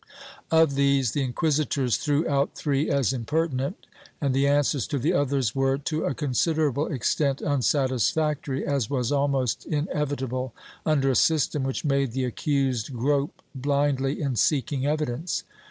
Of these the inquisitors threw out three as "impertinent" and the answers to the others were, to a considerable extent, unsatisfactory, as was almost inevitable under a system which made the accused grope blindly in seeking evidence.